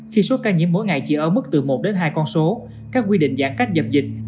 khi số ca nhiễm mỗi ngày chỉ ở mức từ một đến hai con số các quy định giãn cách dập dịch